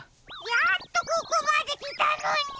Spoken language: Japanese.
やっとここまできたのに！